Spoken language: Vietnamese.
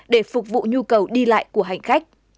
để phục vụ nhu cầu đi lại của hành khách